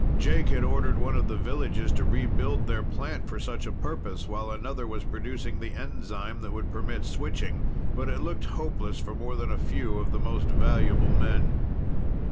Jake had ordered one of the villages to rebuild their plant for such a purpose, while another was producing the enzyme that would permit switching. But it looked hopeless for more than a few of the most valuable men.